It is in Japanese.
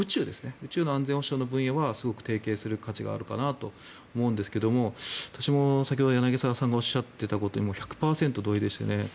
宇宙の安全保障の分野はすごく提携する価値があるかなと思うんですが私も、先ほど柳澤さんがおっしゃっていたことに１００％同意ですね。